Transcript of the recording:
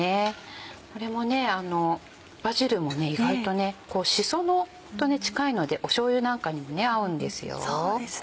これもバジルも意外とシソと近いのでしょうゆなんかにも合うんですよ。